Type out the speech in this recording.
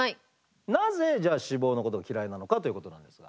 なぜ脂肪のことを嫌いなのかということなんですが。